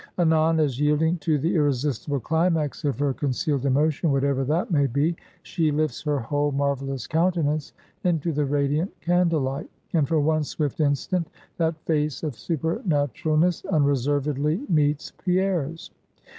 Anon, as yielding to the irresistible climax of her concealed emotion, whatever that may be, she lifts her whole marvelous countenance into the radiant candlelight, and for one swift instant, that face of supernaturalness unreservedly meets Pierre's.